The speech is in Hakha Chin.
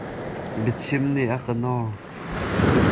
A biachim nih a ka nor.